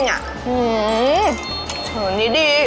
อันนี้ดี